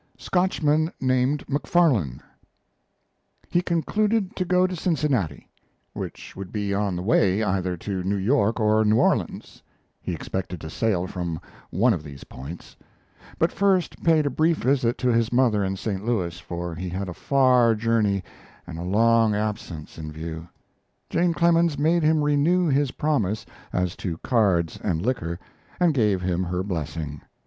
SCOTCHMAN NAMED MACFARLANE He concluded to go to Cincinnati, which would be on the way either to New York or New Orleans (he expected to sail from one of these points), but first paid a brief visit to his mother in St. Louis, for he had a far journey and along absence in view. Jane Clemens made him renew his promise as to cards and liquor, and gave him her blessing.